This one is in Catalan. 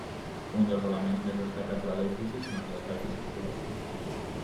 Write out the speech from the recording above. Un dels elements més destacats de l'edifici són els espais de circulació.